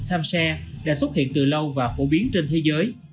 tham xe đã xuất hiện từ lâu và phổ biến trên thế giới